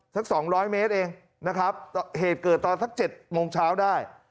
สัก๒๐๐เมตรเองนะครับเหตุเกิดตอนสัก๗โมงเช้าได้